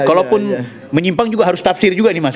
kalaupun menyimpang juga harus tafsir juga nih mas